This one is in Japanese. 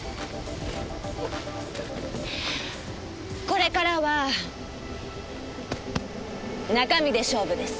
これからは中身で勝負です。